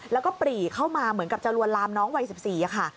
แล้วก็ปรีเข้ามาเหมือนกับจะลวนลามน้องวัย๑๔ค่ะ